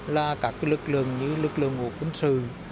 là các cái lực lượng như lực lượng của quân sự